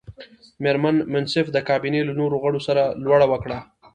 مېرمن منصف د کابینې له نورو غړو سره لوړه وکړه.